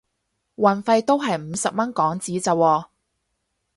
運費都係五十蚊港紙咋喎